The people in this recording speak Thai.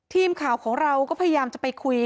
ทีมข่าวของเราก็พยายามจะไปคุย